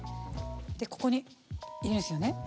ここに入れるんですよね？